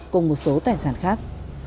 cùng một số tài sản khác